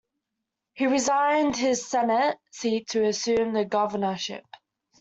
He resigned his Senate seat to assume the governorship.